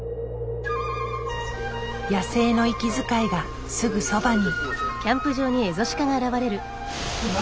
野生の息遣いがすぐそばに。